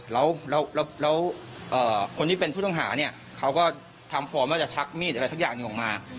แล้วคนที่เป็นผู้ต้องหาเนี่ยเขาก็ทำฟอร์มว่าจะชักมีดอะไรสักอย่างหนึ่งออกมา